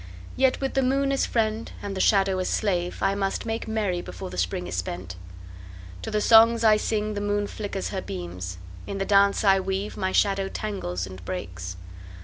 Yet with the moon as friend and the shadow as slave I must make merry before the Spring is spent. To the songs I sing the moon flickers her beams; In the dance I weave my shadow tangles and breaks.